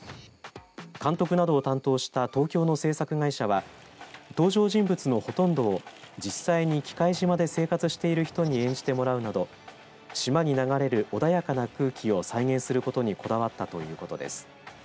監督などを担当した東京の制作会社は登場人物のほとんどを実際に喜界島で生活している人に演じてもらうなど島に流れる穏やかな空気を再現することにこだわったということです。